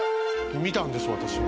見たんです私も。